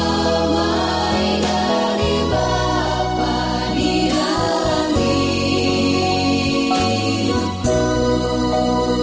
damai dari bapak di dalam hidupku